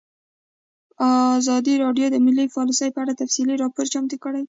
ازادي راډیو د مالي پالیسي په اړه تفصیلي راپور چمتو کړی.